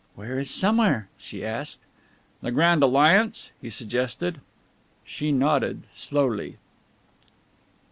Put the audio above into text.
"Where is somewhere?" she asked. "The Grand Alliance?" he suggested. She nodded slowly.